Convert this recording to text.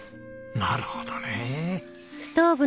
なるほどね。